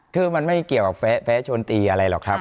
คือมันไม่เกี่ยวกับแฟ้ชนตีอะไรหรอกครับ